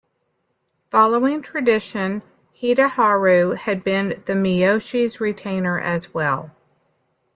Following tradition Hideharu had been the Miyoshi's retainer as well.